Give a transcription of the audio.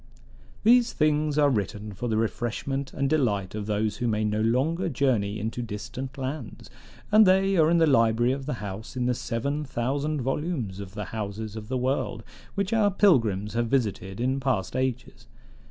"These things are written for the refreshment and delight of those who may no longer journey into distant lands; and they are in the library of the house in the seven thousand volumes of the Houses of the World which our pilgrims have visited in past ages.